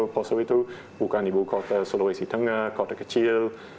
poso itu bukan ibu kota sulawesi tengah kota kecil